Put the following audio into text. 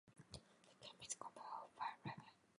The game is composed of five levels.